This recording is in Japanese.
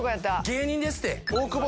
芸人ですって！